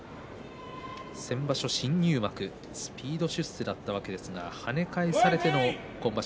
先場所、新入幕スピード出世したわけですが跳ね返されての今場所